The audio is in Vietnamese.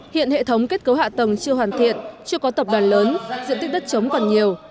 hiện hệ thống kết cấu hạ tầng chưa hoàn thiện chưa có tập đoàn lớn diện tích đất chống còn nhiều